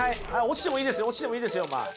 落ちてもいいですよ落ちてもいいですよまあ。